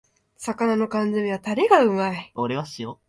魚の缶詰めはタレがうまい